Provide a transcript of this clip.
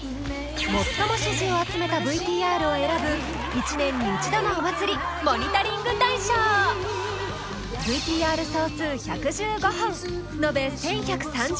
最も支持を集めたＶＴＲを選ぶ一年に一度のお祭りモニタリング大賞ＶＴＲ総数１１５本のべ１１３０